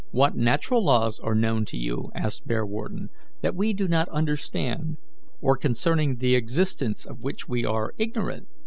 "What natural laws are known to you," asked Bearwarden, "that we do not understand, or concerning the existence of which we are ignorant?"